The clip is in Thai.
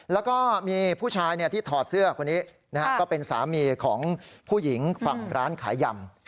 แล้วก็มีผู้ชายที่ถอดเสื้อคนนี้ก็เป็นสามีของผู้หญิงฝั่งร้านขายยำ